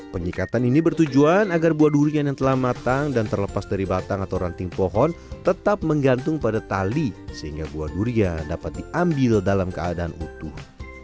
penyikatan ini bertujuan agar buah durian yang telah matang dan terlepas dari batang atau ranting pohon tetap menggantung pada tali sehingga buah durian dapat diambil dalam keadaan utuh